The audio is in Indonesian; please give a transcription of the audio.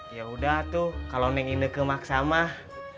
yaudah tuh kalo neng ini kemaksamah